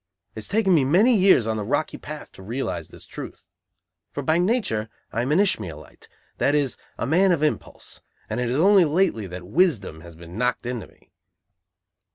It has taken me many years on the rocky path to realize this truth. For by nature I am an Ishmælite, that is, a man of impulse, and it is only lately that wisdom has been knocked into me.